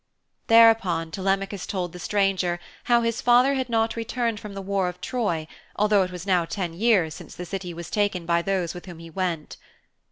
Thereupon, Telemachus told the stranger how his father had not returned from the war of Troy although it was now ten years since the City was taken by those with whom he went.